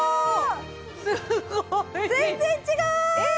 すごい全然違う！